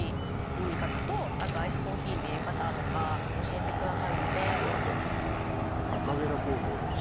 飲み方とあとアイスコーヒーの淹れ方とか教えてくださるのであと私聞いていい？